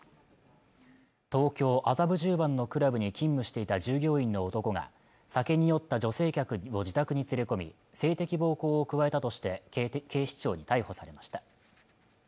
東京麻布十番のクラブに勤務していた従業員の男が酒に酔った女性客を自宅に連れ込み性的暴行を加えたとして警視庁に逮捕されました